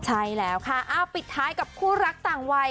ใช่แล้วค่ะปิดท้ายกับคู่รักต่างวัย